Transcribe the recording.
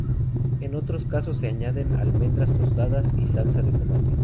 En otros casos se añaden almendras tostadas y salsa de tomate.